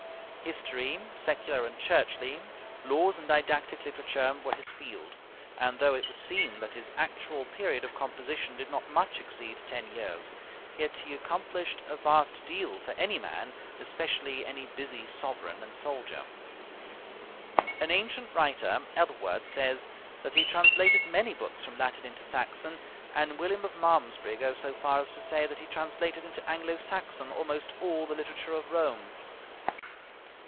History, secular and churchly, laws and didactic literature, were his field; and though it would seem that his actual period of composition did not much exceed ten years, yet he accomplished a vast deal for any man, especially any busy sovereign and soldier. An ancient writer, Ethelwerd, says that he translated many books from Latin into Saxon, and William of Malmesbury goes so far as to say that he translated into Anglo Saxon almost all the literature of Rome.